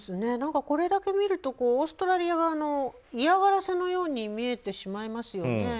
これだけ見るとオーストラリア側の嫌がらせのように見えてしまいますよね。